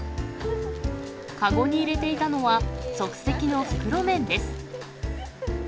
籠に入れていたのは、即席の袋麺です。